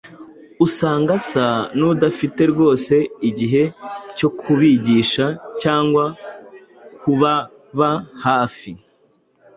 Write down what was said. Usanga asa n’udafite rwose igihe cyo kubigisha cyangwa kubaba hafi.